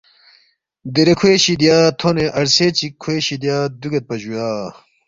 دیرے کھوے شِدیا تھونے عرصے چِک کھوے شِدیا دُوگیدپا جُویا